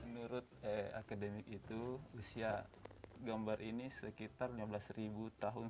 menurut akademik itu usia gambar ini sekitar lima belas tahun